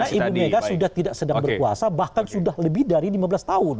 karena ibu mega sudah tidak sedang berkuasa bahkan sudah lebih dari lima belas tahun